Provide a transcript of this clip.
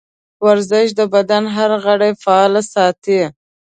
ورزش د بدن هر غړی فعال ساتي.